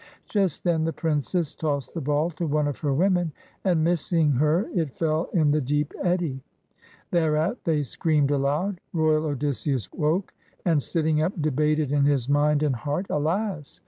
Just then the princess tossed the ball to one of her women, and missing her it fell in the deep eddy. Theieat they screamed aloud. Royal Odysseus woke, and sitting up debated in his mind and heart: — "Alas!